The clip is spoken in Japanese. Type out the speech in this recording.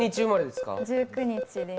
１９日です